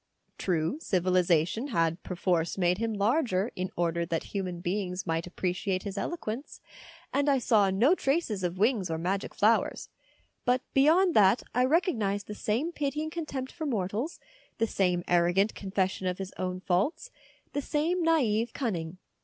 True, civilisation had perforce 205 206 THE DAY BEFORE YESTERDAY made him larger in order that human beings might appreciate his eloquence, and I saw no traces of wings or magic flowers. But beyond that I recognised the same pitying contempt for mortals, the same arrogant con fession of his own faults, the same naive cunning.